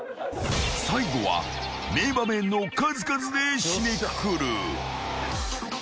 ［最後は名場面の数々で締めくくる］